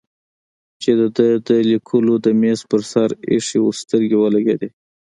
چې د ده د لیکلو د مېز پر سر ایښی و سترګې ولګېدې.